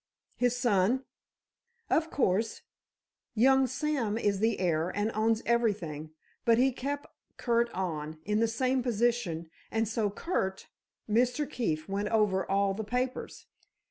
"His son?" "Of course, young Sam is the heir, and owns everything, but he kept Curt on, in the same position, and so, Curt—Mr. Keefe went over all the papers.